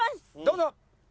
どうぞ！